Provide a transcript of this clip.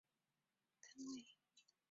国营林场是下辖的一个类似乡级单位。